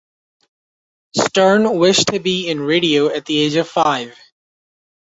Stern wished to be in radio at the age of five.